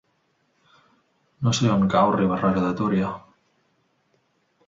No sé on cau Riba-roja de Túria.